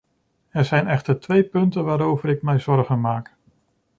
Er zijn echter twee punten waarover ik mij zorgen maak.